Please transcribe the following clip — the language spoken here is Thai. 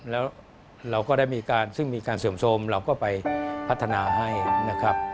แล้วเราก็ได้มีการซึ่งมีการเสื่อมโทรมเราก็ไปพัฒนาให้นะครับ